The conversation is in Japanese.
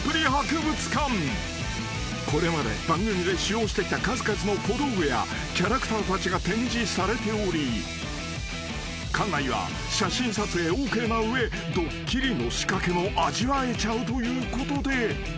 ［これまで番組で使用してきた数々の小道具やキャラクターたちが展示されており館内は写真撮影ＯＫな上ドッキリの仕掛けも味わえちゃうということで］